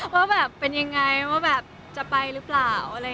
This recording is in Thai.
ว่าแต่เป็นยังไงจะไปหรือเปล่า